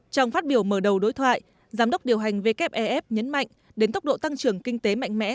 trong phát biểu mở đầu đối thoại giám đốc điều hành wef nhấn mạnh đến tốc độ tăng trưởng kinh tế mạnh mẽ